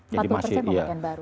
empat puluh persen pemilihan baru